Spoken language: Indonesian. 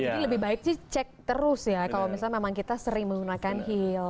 jadi lebih baik sih cek terus ya kalau misalnya memang kita sering menggunakan heels